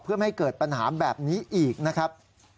เพื่อไม่ให้เกิดปัญหาแบบนี้อีกนะครับ